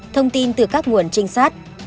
thông tin từ các nguồn trinh sát